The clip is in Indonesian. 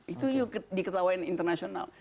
itu diketahuin internasional